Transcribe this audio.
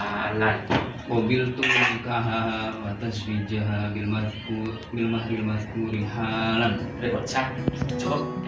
halal mobil tuh kaha batas bija bilmah bilmah kuri halal